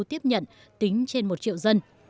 tiếp nhận tính trên một triệu dân